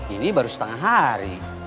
ini baru setengah hari